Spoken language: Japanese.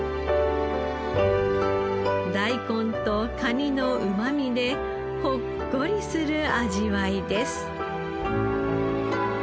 大根とカニのうまみでほっこりする味わいです。